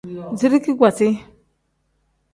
Zirigi kpasi.